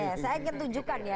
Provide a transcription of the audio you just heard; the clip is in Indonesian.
oke saya ketujukan ya